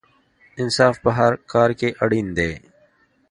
انصاف په هر کار کې اړین دی.